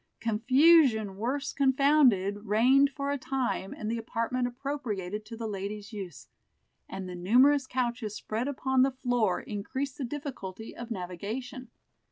"Confusion worse confounded" reigned for a time in the apartment appropriated to the ladies' use, and the numerous couches spread upon the floor increased the difficulty of navigation.